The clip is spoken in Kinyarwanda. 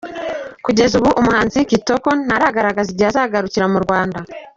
Kugeza ubu umuhanzi Kitoko ntaratangaza igihe azagarukira mu Rwanda.